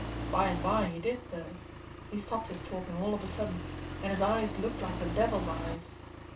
By and by he did, though. He stopped his talking all of a sudden, and his eyes looked like the devil's eyes.